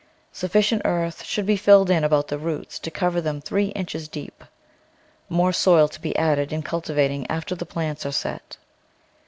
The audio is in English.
Suf ficient earth should be filled in about the roots to cover them three inches deep, more soil to be added in cultivating after the plants are set.